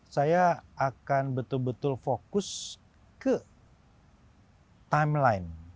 saya akan betul betul fokus ke timeline